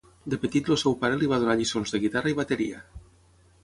De petit el seu pare li va donar lliçons de guitarra i bateria.